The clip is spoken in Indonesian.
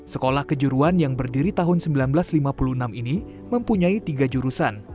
sekolah kejuruan yang berdiri tahun seribu sembilan ratus lima puluh enam ini mempunyai tiga jurusan